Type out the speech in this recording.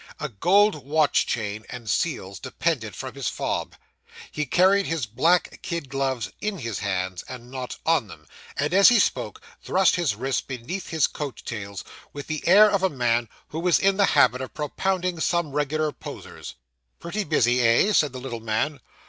A gold watch chain, and seals, depended from his fob. He carried his black kid gloves in his hands, and not ON them; and as he spoke, thrust his wrists beneath his coat tails, with the air of a man who was in the habit of propounding some regular posers. 'Pretty busy, eh?' said the little man.